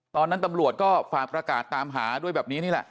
ตอนนั้นตำรวจก็ฝากประกาศตามหาด้วยแบบนี้นี่แหละ